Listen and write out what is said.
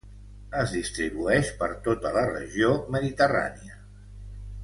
Es distribueix per tota la Regió Mediterrània.